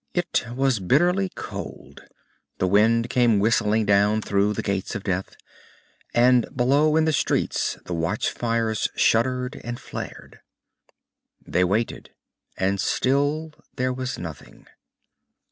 It was bitterly cold. The wind came whistling down through the Gates of Death, and below in the streets the watchfires shuddered and flared. They waited, and still there was nothing.